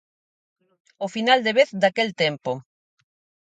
O final de vez daquel tempo.